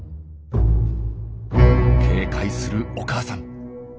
警戒するお母さん。